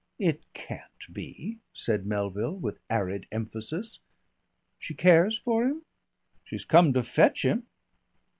"It can't be," said Melville with arid emphasis. "She cares for him?" "She's come to fetch him."